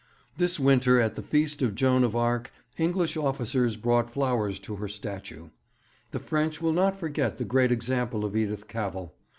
This winter at the feast of Joan of Arc English officers brought flowers to her statue. The French will not forget the great example of Edith Cavell.